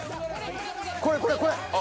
［これこれこれ］